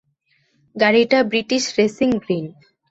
গাড়িটা British racing green.